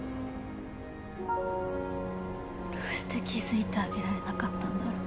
どうして気付いてあげられなかったんだろう。